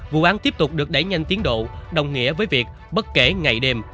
vụ án tiếp tục được đẩy nhanh tiến độ đồng nghĩa với việc bất kể ngày đêm